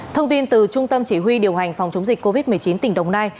thông tin từ trung tâm chỉ huy điều hành phòng chống dịch covid một mươi chín tỉnh đồng nai